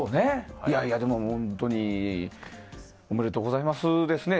でも、本当におめでとうございますですね。